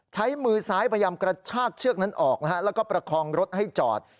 ใช้มือซ้ายพยายามกระชากเชือกนั้นออกแล้วก็ประคองรถให้จอด